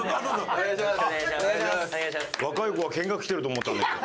お願いします。